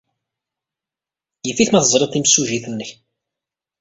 Yif-it ma teẓrid timsujjit-nnek.